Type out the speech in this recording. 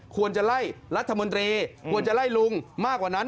ควรจะไล่รัฐมนตรีควรจะไล่ลุงมากกว่านั้น